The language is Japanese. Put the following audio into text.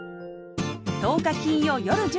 １０日金曜夜１０時